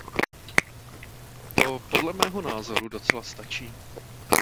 To podle mého názoru docela stačí.